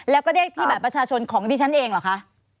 แล้วก็ได้ที่บัตรประชาชนของดิฉันเองเหรอคะ